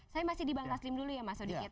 saya masih dibangkasin dulu ya mas sodi